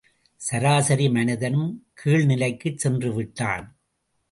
சராசரி மனிதனினும் கீழ் நிலைக்குச் சென்று விட்டான்.